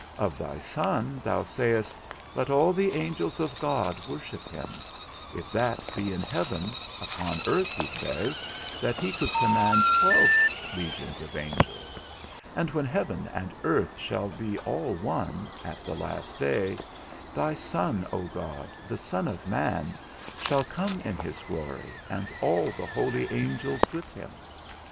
Of thy Son, thou sayest, Let all the angels of God worship him; if that be in heaven, upon earth he says, that he could command twelve legions of angels; and when heaven and earth shall be all one, at the last day, thy Son, O God, the Son of man, shall come in his glory, and all the holy angels with him.